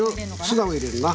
ツナを入れるな。